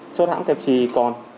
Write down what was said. chốt hãng kẹp trì còn